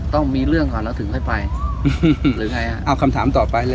ต้องมีเรื่องก่อนเราถึงให้ไปหรือไงเอาคำถามต่อไปเลย